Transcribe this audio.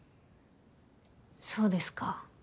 そうですか。